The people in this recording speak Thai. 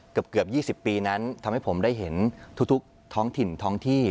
เกือบ๒๐ปีนั้นทำให้ผมได้เห็นทุกท้องถิ่นท้องที่